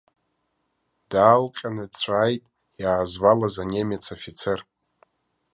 Даалҟьаны дҵәааит иаазвалаз анемец афицер.